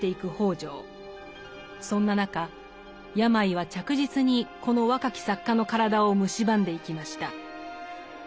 そんな中病は着実にこの若き作家の体をむしばんでいきました。